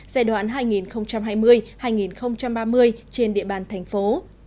giai đoạn hai nghìn hai mươi hai nghìn ba mươi trên địa bàn thành phố